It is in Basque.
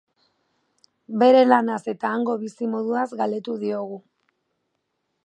Bere lanaz eta hango bizimoduaz galdetu diogu.